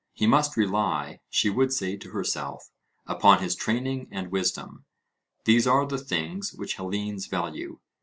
'He must rely,' she would say to herself, 'upon his training and wisdom these are the things which Hellenes value.'